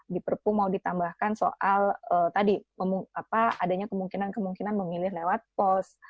di perpu mau ditambahkan soal tadi adanya kemungkinan kemungkinan memilih lewat pos